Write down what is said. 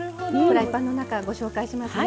フライパンの中ご紹介しますね。